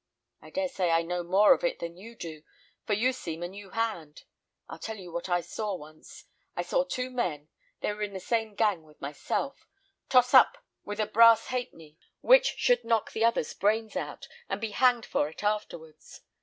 I dare say I know more of it than you do, for you seem a new hand. I'll tell you what I saw once. I saw two men they were in the same gang with myself toss up with a brass halfpenny, which should knock the other's brains out, and be hanged for it afterwards.